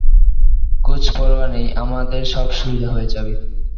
কুছ পরোয়া নেই, আমাদের সব সুবিধা হয়ে যাবে।